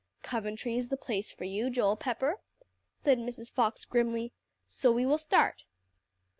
"Coventry is the place for you, Joel Pepper," said Mrs. Fox grimly; "so we will start."